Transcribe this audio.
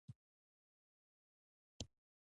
پېوه کې مېله پای ته ورسېده او لمونځ خلاص شو.